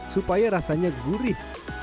supaya rasanya gurih